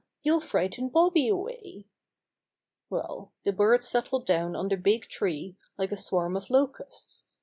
You'll frighten Bobby away." Well, the birds settled down on the big tree like a swarm of locusts.